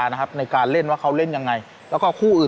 เราไม่มีพวกมันเกี่ยวกับพวกเราแต่เราไม่มีพวกมันเกี่ยวกับพวกเรา